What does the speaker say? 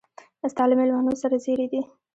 ستا له مېلمنو سره زېري دي.